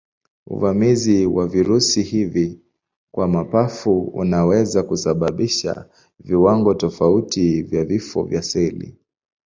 Uvamizi wa virusi hivi kwa mapafu unaweza kusababisha viwango tofauti vya vifo vya seli.